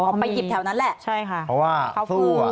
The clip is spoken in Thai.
ออกไปหยิบแถวนั้นแหละเขาฟูเพราะว่าสู้อ่ะ